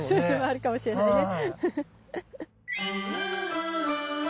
あるかもしれないね。